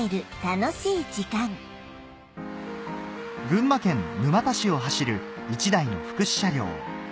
群馬県沼田市を走る１台の福祉車両